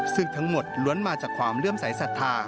ซึ่งทั้งหมดล้วนมาจากความเลื่อมสายศรัทธา